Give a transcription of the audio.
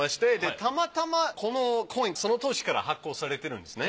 たまたまこのコインその当時から発行されてるんですね。